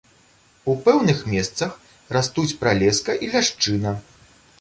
У пэўных месцах растуць пралеска і ляшчына.